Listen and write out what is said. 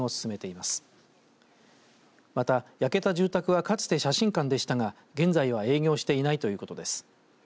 また、焼けた住宅はかつて写真館でしたが現在は営業していないということです。